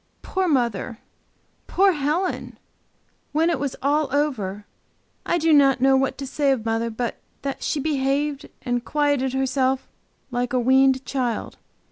Poor mother! Poor Helen! When it was all over, I do not know what to say of mother but that she behaved and quieted herself like a weaned child.